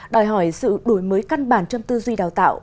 đòi hỏi sự đổi mới căn bản trong tư duy đào tạo